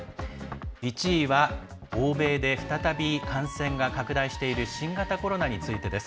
１位は欧米で再び感染が拡大している新型コロナについてです。